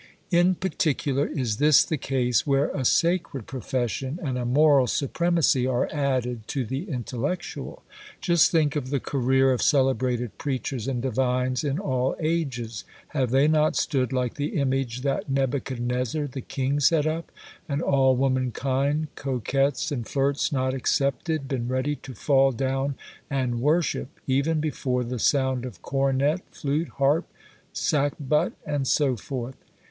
In particular is this the case where a sacred profession and a moral supremacy are added to the intellectual. Just think of the career of celebrated preachers and divines in all ages. Have they not stood like the image that 'Nebuchadnezzar the king set up,' and all womankind, coquettes and flirts not excepted, been ready to fall down and worship, even before the sound of cornet, flute, harp, sackbut, and so forth?